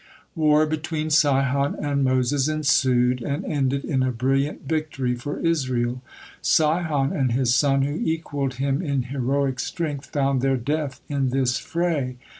War between Sihon and Moses ensued, and ended in a brilliant victory for Israel. Sihon and his son, who equaled him in heroic strength, found their death in this fray.